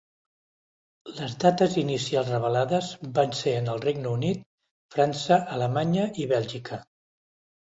Les dates inicials revelades van ser en el Regne Unit, França, Alemanya i Bèlgica.